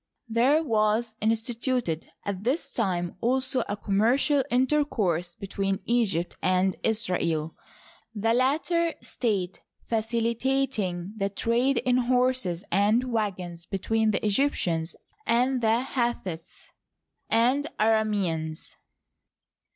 There was instituted at this time also a commercial inter course between Egypt and Israel, the latter state facilitat ing the trade in horses and wagons between the Egyptians and the Hethites and Aramaens.